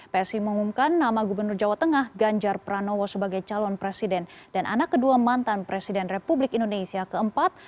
psi mengumumkan nama gubernur jawa tengah ganjar pranowo sebagai calon presiden dan anak kedua mantan presiden republik indonesia keempat